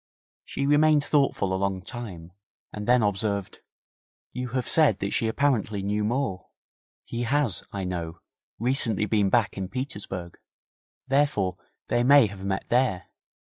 She remained thoughtful a long time, and then observed: 'You have said that she apparently knew Moore? He has, I know, recently been back in Petersburg, therefore they may have met there.